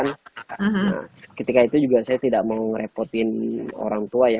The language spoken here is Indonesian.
nah ketika itu juga saya tidak mau ngerepotin orang tua ya